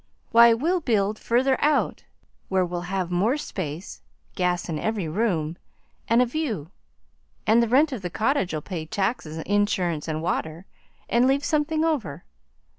Why, we'll build further out where we'll have more space, gas in every room, and a view, and the rent of the cottage'll pay taxes, insurance, and water, and leave something over.